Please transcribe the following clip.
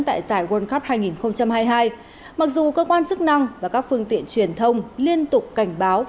tại giải world cup hai nghìn hai mươi hai mặc dù cơ quan chức năng và các phương tiện truyền thông liên tục cảnh báo